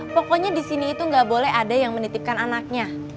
pokoknya disini itu gak boleh ada yang menitipkan anaknya